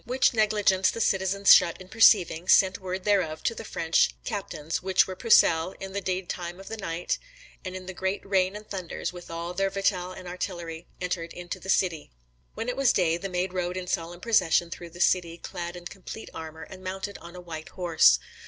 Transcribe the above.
Whiche negligence the citizens shut in perceiving, sente worde thereof to the French captaines, which with Pucelle in the dedde tyme of the nighte, and in a greats rayne and thunders, with all their vitaile and artillery entered into the citie." When it was day, the Maid rode in solemn procession through the city, clad in complete armour, and mounted on a white horse.